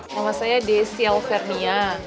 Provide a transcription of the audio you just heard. nama saya desial fernia